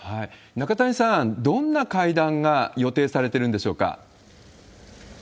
中谷さん、どんな会談が予定されてるんでしょうか。